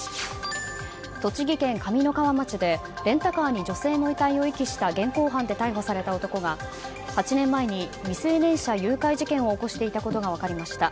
栃木県上三川町でレンタカーに女性の遺体を遺棄した現行犯で逮捕された男が８年前に未成年者誘拐事件を起こしていたことが分かりました。